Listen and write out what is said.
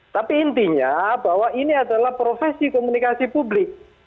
tapi intinya bahwa ini adalah profesi komunikasi publik